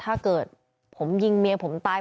ถ้าเกิดผมยิงเมียผมตาย